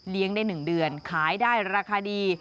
เลี้ยงได้๑เดือนขายได้ราคาดี